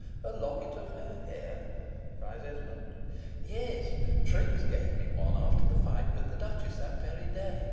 "A locket of her hair?" cries Esmond. "Yes. Trix gave me one after the fight with the Duchess that very day.